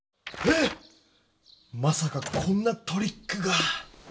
え⁉まさかこんなトリックが。